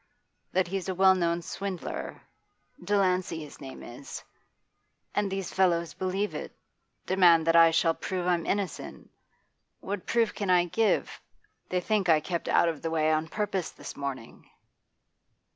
That he's a well known swindler Delancey his name is. And these fellows believe it demand that I shall prove I'm innocent. What proof can I give? They think I kept out of the way on purpose this morning.